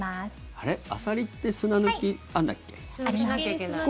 あれ、アサリって砂抜き、あんだっけ？あります。